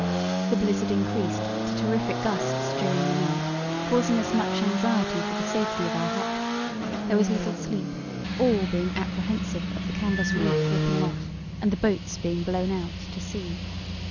"The blizzard increased to terrific gusts during the night, causing us much anxiety for the safety of our hut. There was little sleep, all being apprehensive of the canvas roof ripping off, and the boats being blown out to sea."